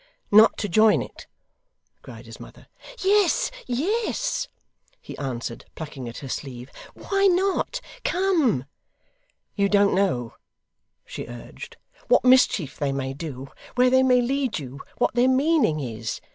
'Not to join it!' cried his mother. 'Yes, yes,' he answered, plucking at her sleeve. 'Why not? Come!' 'You don't know,' she urged, 'what mischief they may do, where they may lead you, what their meaning is.